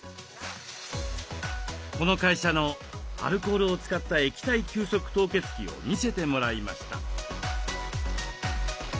この会社のアルコールを使った液体急速凍結機を見せてもらいました。